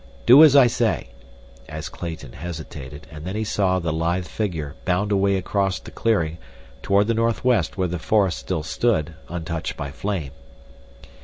Do as I say," as Clayton hesitated, and then they saw the lithe figure bound away cross the clearing toward the northwest where the forest still stood, untouched by flame.